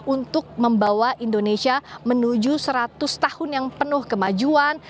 untuk membawa indonesia menuju seratus tahun yang penuh kemajuan